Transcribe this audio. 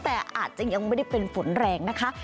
แต่อาจจะยังไม่ได้เป็นฝนแรงนะคะ